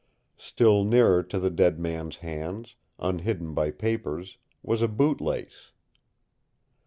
Still nearer to the dead man's hands, unhidden by papers, was a boot lace.